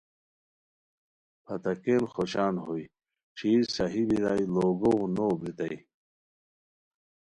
پھتاکین خوشان ہوئے ݯیھرصحیح بیرائے ڑوگوغو نو اوبریتائے